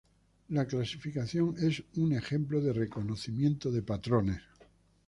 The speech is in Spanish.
La clasificación es un ejemplo reconocimiento de patrones.